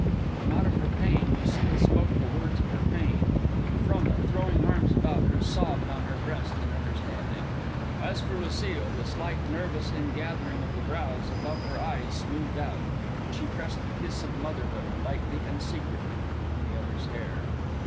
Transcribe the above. '" From out of her pain, Lucile spoke the words of her pain, and Frona, throwing arms about her, sobbed on her breast in understanding. As for Lucile, the slight nervous ingathering of the brows above her eyes smoothed out, and she pressed the kiss of motherhood, lightly and secretly, on the other's hair.